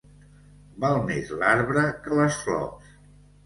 Val més l'arbre que les flors.